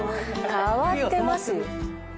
変わってます。